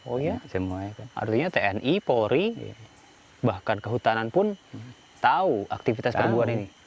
oh iya artinya tni polri bahkan kehutanan pun tahu aktivitas kerbuan ini